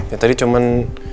ya tadi cuman